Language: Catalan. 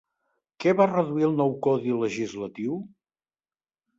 Què va reduir el nou codi legislatiu?